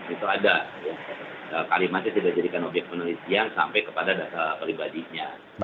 itu ada kalimatnya tidak dijadikan obyek penelitian sampai kepada data pribadinya